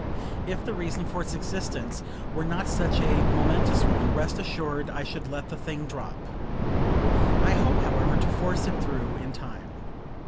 If the reason for its existence were not such a momentous one, rest assured I should let the thing drop. I hope, however, to force it through in time.